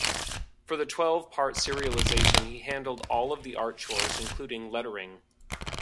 For the twelve-part serialization, he handled all of the art chores including lettering.